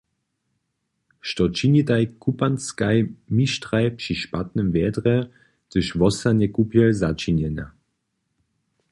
Što činitaj kupanskaj mištraj při špatnym wjedrje, hdyž wostanje kupjel začinjena?